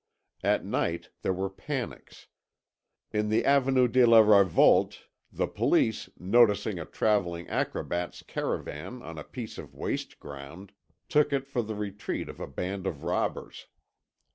At night there were panics. In the Avenue de la Révolte the police, noticing a travelling acrobat's caravan on a piece of waste ground, took it for the retreat of a band of robbers.